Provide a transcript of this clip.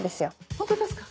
ホントですか？